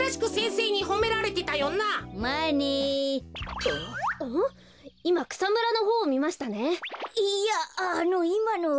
いやあのいまのは。